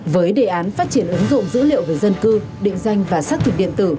với đề án phát triển ứng dụng dữ liệu về dân cư định danh và xác thực điện tử